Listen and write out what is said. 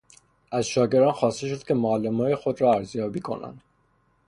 از شاگردان خواسته شد که معلمهای خود را ارزیابی کنند.